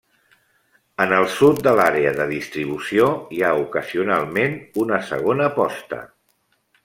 En el del sud de l'àrea de distribució hi ha ocasionalment una segona posta.